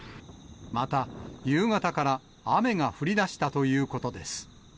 また、夕方から雨が降りだしたということです。